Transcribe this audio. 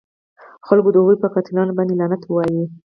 خلکو د هغه په قاتلانو باندې لعنت وایه.